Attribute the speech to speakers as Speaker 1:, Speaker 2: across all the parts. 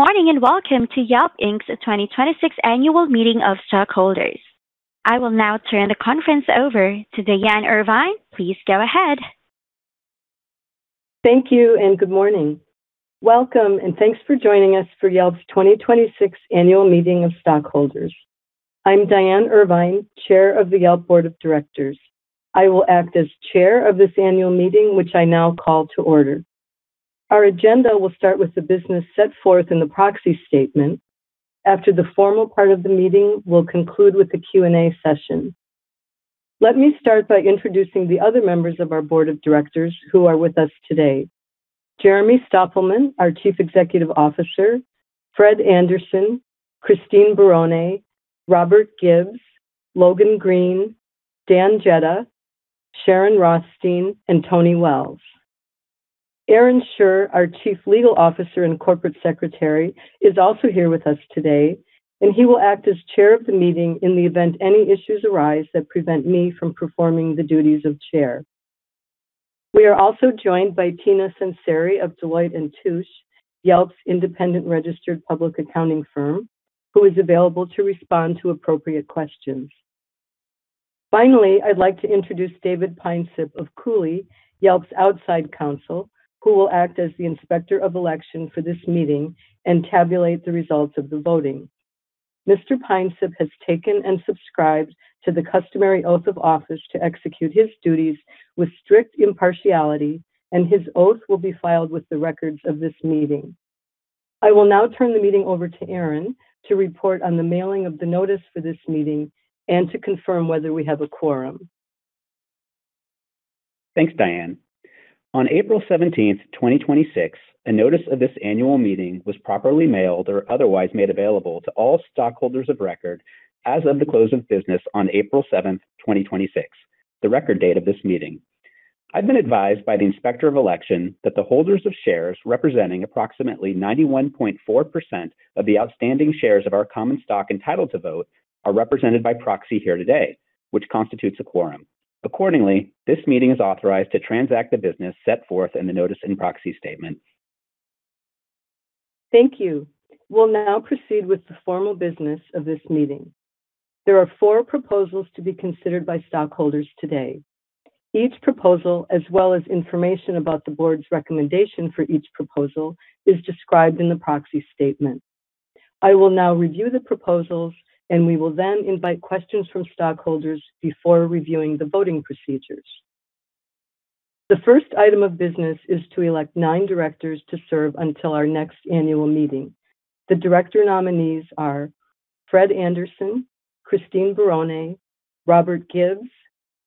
Speaker 1: Good morning and welcome to Yelp Inc's 2026 Annual Meeting of Stockholders. I will now turn the conference over to Diane Irvine. Please go ahead.
Speaker 2: Thank you and good morning. Welcome and thanks for joining us for Yelp's 2026 Annual Meeting of Stockholders. I'm Diane Irvine, Chair of the Yelp Board of Directors. I will act as Chair of this annual meeting, which I now call to order. Our agenda will start with the business set forth in the proxy statement. After the formal part of the meeting, we'll conclude with a Q&A session. Let me start by introducing the other members of our Board of Directors who are with us today. Jeremy Stoppelman, our Chief Executive Officer, Fred Anderson, Christine Barone, Robert Gibbs, Logan Green, Dan Jedda, Sharon Rothstein, and Tony Wells. Aaron Schur, our Chief Legal Officer and Corporate Secretary, is also here with us today, and he will act as Chair of the meeting in the event any issues arise that prevent me from performing the duties of Chair. We are also joined by Tina Sunseri of Deloitte & Touche, Yelp's independent registered public accounting firm, who is available to respond to appropriate questions. Finally, I'd like to introduce David Peinsipp of Cooley, Yelp's outside counsel, who will act as the Inspector of Election for this meeting and tabulate the results of the voting. Mr. Peinsipp has taken and subscribed to the customary oath of office to execute his duties with strict impartiality, and his oath will be filed with the records of this meeting. I will now turn the meeting over to Aaron to report on the mailing of the notice for this meeting and to confirm whether we have a quorum.
Speaker 3: Thanks, Diane. On April 17th, 2026, a notice of this annual meeting was properly mailed or otherwise made available to all stockholders of record as of the close of business on April 7th, 2026, the record date of this meeting. I've been advised by the Inspector of Election that the holders of shares representing approximately 91.4% of the outstanding shares of our common stock entitled to vote are represented by proxy here today, which constitutes a quorum. Accordingly, this meeting is authorized to transact the business set forth in the notice and proxy statement.
Speaker 2: Thank you. We'll now proceed with the formal business of this meeting. There are four proposals to be considered by stockholders today. Each proposal, as well as information about the board's recommendation for each proposal, is described in the proxy statement. I will now review the proposals, and we will then invite questions from stockholders before reviewing the voting procedures. The first item of business is to elect nine directors to serve until our next annual meeting. The director nominees are Fred Anderson, Christine Barone, Robert Gibbs,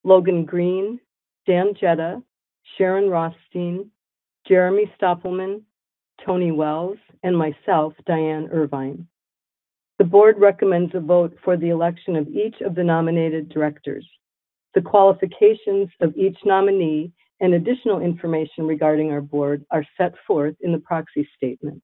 Speaker 2: Logan Green, Dan Jedda, Sharon Rothstein, Jeremy Stoppelman, Tony Wells, and myself, Diane Irvine. The board recommends a vote for the election of each of the nominated directors. The qualifications of each nominee and additional information regarding our board are set forth in the proxy statement.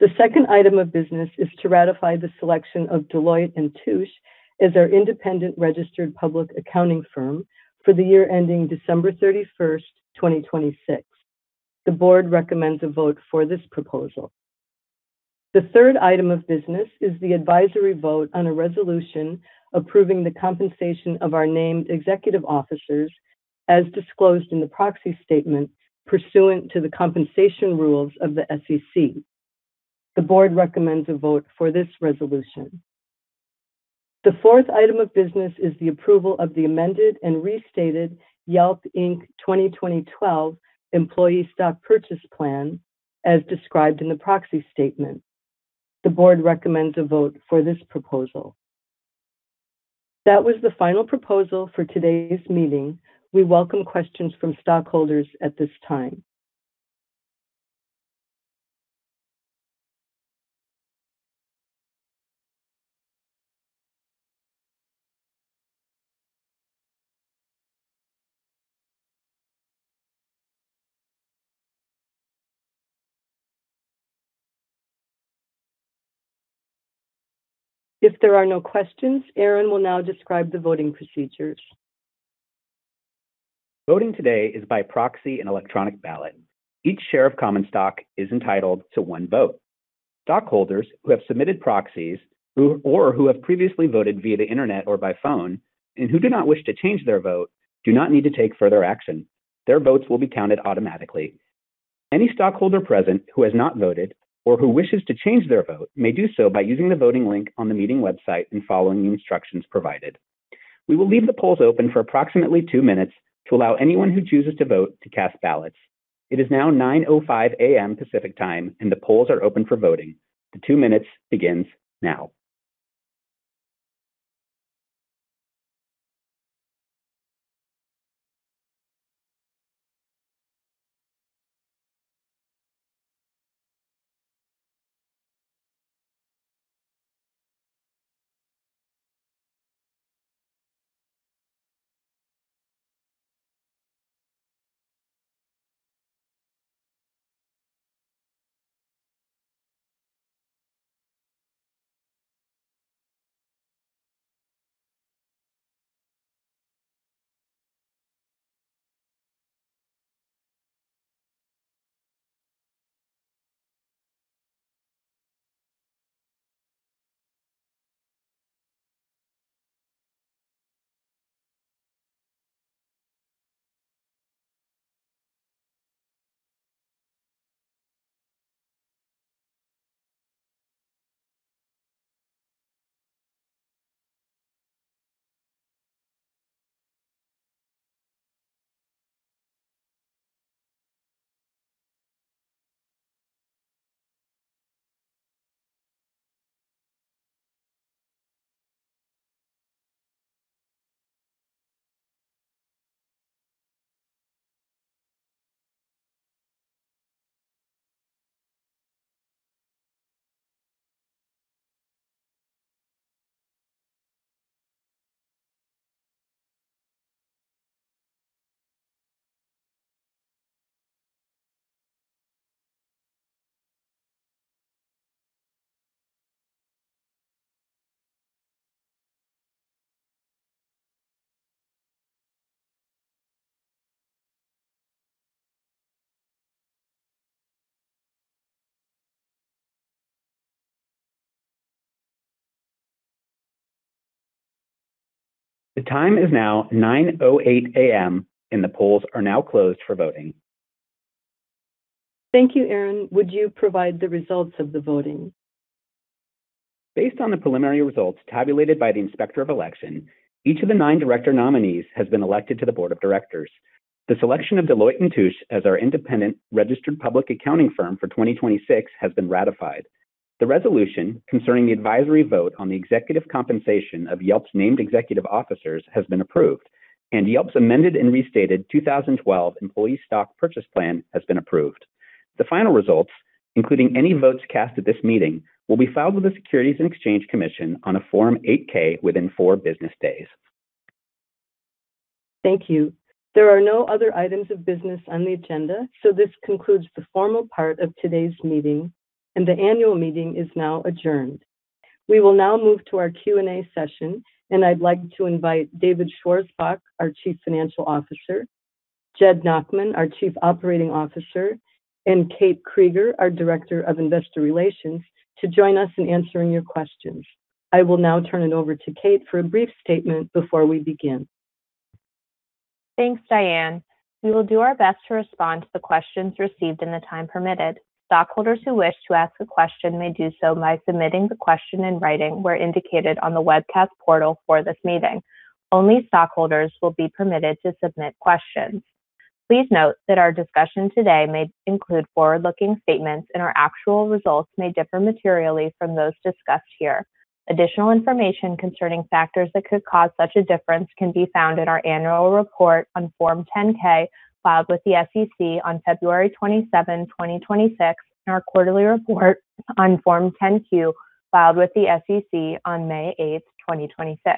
Speaker 2: The second item of business is to ratify the selection of Deloitte & Touche as our independent registered public accounting firm for the year ending December 31st, 2026. The board recommends a vote for this proposal. The third item of business is the advisory vote on a resolution approving the compensation of our named executive officers as disclosed in the proxy statement pursuant to the compensation rules of the SEC. The board recommends a vote for this resolution. The fourth item of business is the approval of the amended and restated Yelp Inc 2012 Employee Stock Purchase Plan, as described in the proxy statement. The board recommends a vote for this proposal. That was the final proposal for today's meeting. We welcome questions from stockholders at this time. If there are no questions, Aaron will now describe the voting procedures.
Speaker 3: Voting today is by proxy and electronic ballot. Each share of common stock is entitled to one vote. Stockholders who have submitted proxies or who have previously voted via the internet or by phone and who do not wish to change their vote do not need to take further action. Their votes will be counted automatically. Any stockholder present who has not voted or who wishes to change their vote may do so by using the voting link on the meeting website and following the instructions provided. We will leave the polls open for approximately two minutes to allow anyone who chooses to vote to cast ballots. It is now 9:05 A.M. Pacific Time, and the polls are open for voting. The two minutes begins now. The time is now 9:08 A.M., and the polls are now closed for voting.
Speaker 2: Thank you. Aaron, would you provide the results of the voting?
Speaker 3: Based on the preliminary results tabulated by the Inspector of Election, each of the nine director nominees has been elected to the Board of Directors. The selection of Deloitte & Touche as our independent registered public accounting firm for 2026 has been ratified. The resolution concerning the advisory vote on the executive compensation of Yelp's named executive officers has been approved, and Yelp's amended and restated 2012 Employee Stock Purchase Plan has been approved. The final results, including any votes cast at this meeting, will be filed with the Securities and Exchange Commission on a Form 8-K within four business days.
Speaker 2: Thank you. There are no other items of business on the agenda, so this concludes the formal part of today's meeting, and the annual meeting is now adjourned. We will now move to our Q&A session, and I'd like to invite David Schwarzbach, our Chief Financial Officer, Jed Nachman, our Chief Operating Officer, and Kate Krieger, our Director of Investor Relations, to join us in answering your questions. I will now turn it over to Kate for a brief statement before we begin.
Speaker 4: Thanks, Diane. We will do our best to respond to the questions received in the time permitted. Stockholders who wish to ask a question may do so by submitting the question in writing where indicated on the webcast portal for this meeting. Only stockholders will be permitted to submit questions. Please note that our discussion today may include forward-looking statements, and our actual results may differ materially from those discussed here. Additional information concerning factors that could cause such a difference can be found in our annual report on Form 10-K, filed with the SEC on February 27, 2026, and our quarterly report on Form 10-Q, filed with the SEC on May 8th, 2026.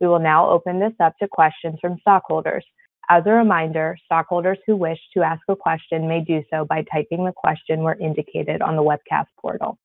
Speaker 4: We will now open this up to questions from stockholders. As a reminder, stockholders who wish to ask a question may do so by typing the question where indicated on the webcast portal.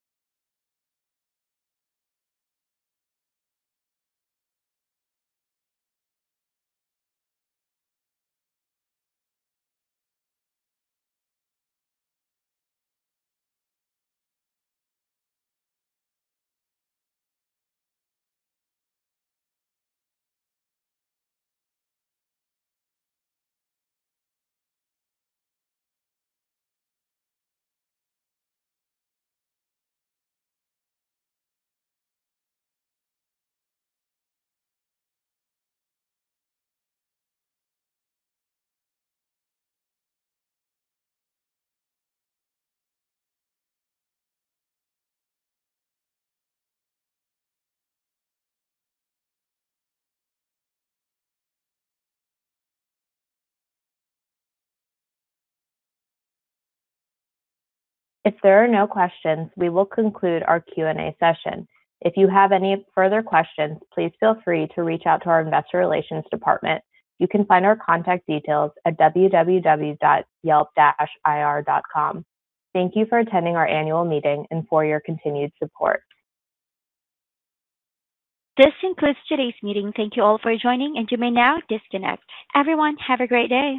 Speaker 4: If there are no questions, we will conclude our Q&A session. If you have any further questions, please feel free to reach out to our investor relations department. You can find our contact details at www.yelp-ir.com. Thank you for attending our annual meeting and for your continued support.
Speaker 1: This concludes today's meeting. Thank you all for joining, and you may now disconnect. Everyone, have a great day.